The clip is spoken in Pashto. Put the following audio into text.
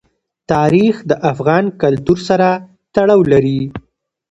تاریخ د افغان کلتور سره تړاو لري.